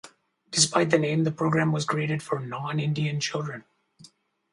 Despite the name, the program was created for non-Indian children.